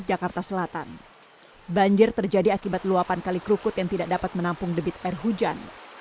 jakarta selatan banjir terjadi akibat luapan kali kerukut yang tidak dapat menampung debit air hujan